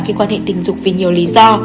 khi quan hệ tinh dục vì nhiều lý do